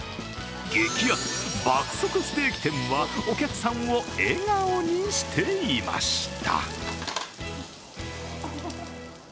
激安爆速ステーキ店はお客さんを笑顔にしていました。